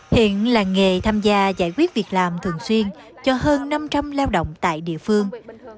hiện làng nghề tham gia giải quyết việc làm thường xuyên cho hơn năm trăm linh lao động tại địa phương